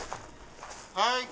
はい。